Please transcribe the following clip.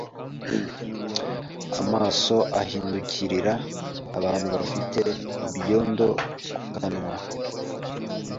Amaso ahindukirira abantu bafite ibyondo mu kanwa